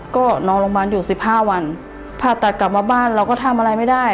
ก็นอนโรงพยาบาลอยู่สิบห้าวันผ่าตัดกลับมาบ้านเราก็ทำอะไรไม่ได้